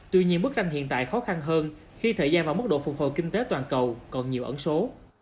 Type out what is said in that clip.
tuy nhiên bức tranh hiện tại khó khăn hơn khi thời gian và mức độ phục hồi kinh tế toàn cầu còn nhiều ẩn số